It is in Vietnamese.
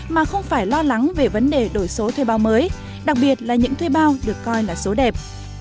mà không phải lo lắng về vấn đề đổi số thuê bao mới đặc biệt là những thuê bao được coi là số đẹp